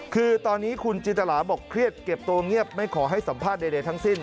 คือตอนนี้คุณจินตราบอกเครียดเก็บตัวเงียบไม่ขอให้สัมภาษณ์ใดทั้งสิ้น